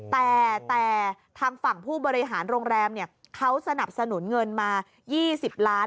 แต่ทางฝั่งผู้บริหารโรงแรมเขาสนับสนุนเงินมา๒๐ล้าน